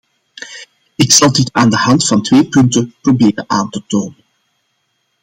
Ik zal dit aan de hand van twee punten proberen aan te tonen.